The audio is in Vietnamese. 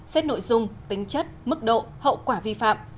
xét nội dung tính chất mức độ hậu quả vi phạm